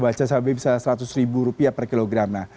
baca cabai bisa rp seratus per kilogram